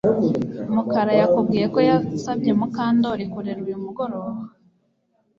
Mukara yakubwiye ko yasabye Mukandoli kurera uyu mugoroba